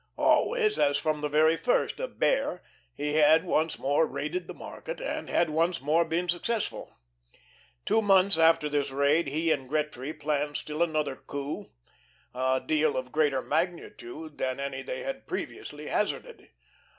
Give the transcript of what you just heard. Always, as from the very first, a Bear, he had once more raided the market, and had once more been successful. Two months after this raid he and Gretry planned still another coup, a deal of greater magnitude than any they had previously hazarded.